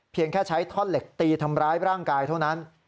แค่ใช้ท่อนเหล็กตีทำร้ายร่างกายเท่านั้น